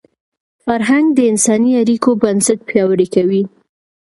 فرهنګ د انساني اړیکو بنسټ پیاوړی کوي.